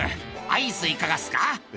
「アイスいかがっすか？」